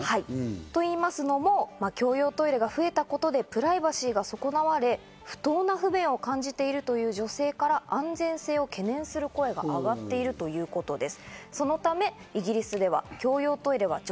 男女あって共用もあるという考え方ね。と言いますのも、共用トイレが増えたことでプライバシーが損なわれ、不当な不便を感じているという女性から安全性を懸念する声があがっているということです。